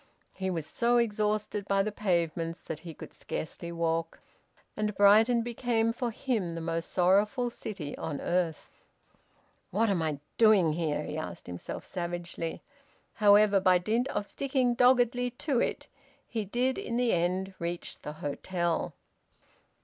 He was so exhausted by the pavements that he could scarcely walk. And Brighton became for him the most sorrowful city on earth. "What am I doing here?" he asked himself savagely. However, by dint of sticking doggedly to it he did in the end reach the hotel.